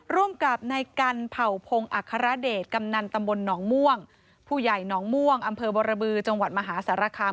ร่วมกับในกันเผ่าพงศ์อัครเดชกำนันตำบลหนองม่วงผู้ใหญ่หนองม่วงอำเภอบรบือจังหวัดมหาสารคาม